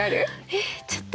えっ？